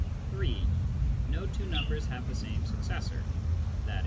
(3) " No two numbers have the same successor," i.